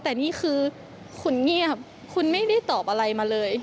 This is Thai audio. แต่นี่คือคุณเงียบคุณไม่ได้ตอบอะไรมาเลย